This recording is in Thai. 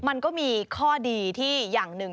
มันก็มีข้อดีที่อย่างหนึ่ง